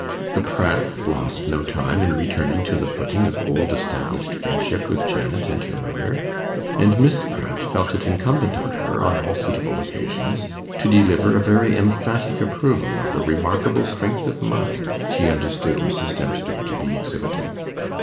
The Pratts lost no time in returning to the footing of old established friendship with Janet and her mother; and Miss Pratt felt it incumbent on her, on all suitable occasions, to deliver a very emphatic approval of the remarkable strength of mind she understood Mrs. Dempster to be exhibiting.